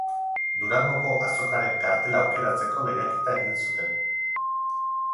Durangoko Azokaren kartela aukeratzeko lehiaketa egin zuten.